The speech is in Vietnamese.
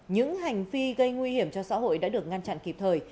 những hành vi gây nguy hiểm cho xã hội đã được ngăn chặn kịp thời